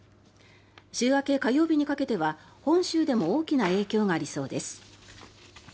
週明け火曜日にかけては本州でも大きな影響がありそうです。